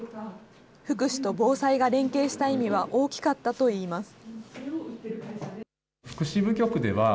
福祉と防災が連携した意味は大きかったといいます。